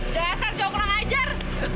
dasar jauh kurang ajar